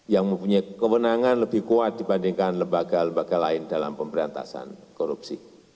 yang mempunyai kewenangan lebih kuat dibandingkan lembaga lembaga lain dalam pemberantasan korupsi